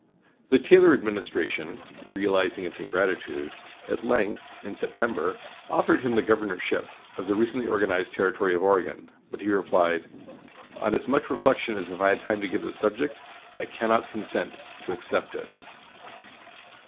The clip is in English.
The Taylor administration, realizing its ingratitude, at length, in September, offered him the governorship of the recently organized territory of Oregon; but he replied: "On as much reflection as I have had time to give the subject, I cannot consent to accept it."